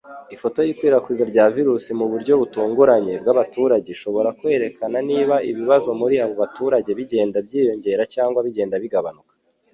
ifoto y’ikwirakwizwa rya virusi mu buryo butunguranye bw’abaturage ishobora kwerekana niba ibibazo muri abo baturage bigenda byiyongera cyangwa bigenda bigabanuka